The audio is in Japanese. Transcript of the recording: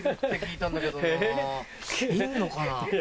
いんのかな？